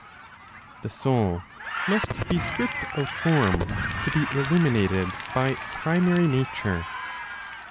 THE SOUL MUST BE STRIPPED OF FORM TO BE ILLUMINATED BY PRIMARY NATURE.